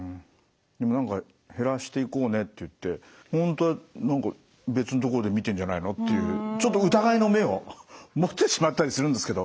何か「減らしていこうね」って言って本当は何か別の所で見てるんじゃないのっていうちょっと疑いの目を持ってしまったりするんですけど。